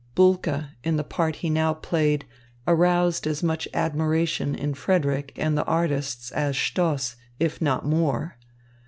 Bulke in the part he now played aroused as much admiration in Frederick and the artists as Stoss, if not more.